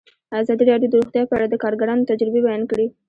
ازادي راډیو د روغتیا په اړه د کارګرانو تجربې بیان کړي.